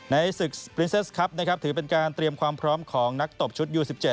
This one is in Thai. ในศึกสปรินเซสครับนะครับถือเป็นการเตรียมความพร้อมของนักตบชุดยู๑๗